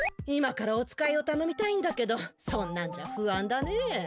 今からお使いをたのみたいんだけどそんなんじゃふあんだね。